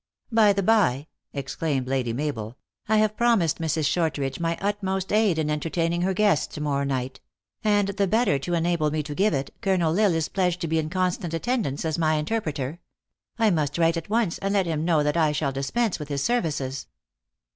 " By the bye," exclaimed Lady Mabel, " I have promised Mrs. Shortridge my utmost aid in entertain ing her guests to morrow night; and the better to en able me to give it, Colonel L Isle is pledged to be in constant attendance as rny interpreter. I must write at once, and let him know that I shall dispense with his services."